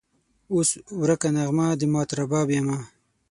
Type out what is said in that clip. اوس ورکه نغمه د مات رباب یمه